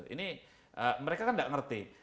ini mereka kan nggak ngerti